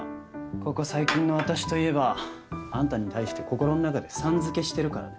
ここ最近の私といえばあんたに対して心の中でさん付けしてるからね。